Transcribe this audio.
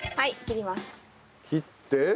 切って。